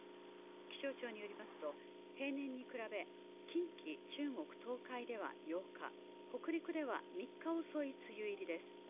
気象庁によりますと平年に比べ近畿中国東海では８日北陸では３日遅い梅雨入りです